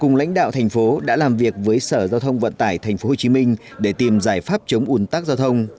cùng lãnh đạo thành phố đã làm việc với sở giao thông vận tải tp hcm để tìm giải pháp chống ủn tắc giao thông